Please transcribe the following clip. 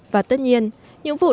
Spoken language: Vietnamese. và tất nhiên những vụ thuộc